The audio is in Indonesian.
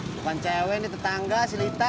bukan cewek ini tetangga si lita